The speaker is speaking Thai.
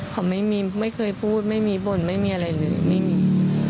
เขาไม่เคยพูดไม่มีบ่นไม่มีอะไรเลยไม่มี